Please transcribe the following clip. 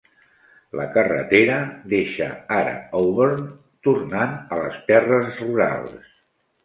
La carretera deixa ara Auburn, tornant a les terres rurals.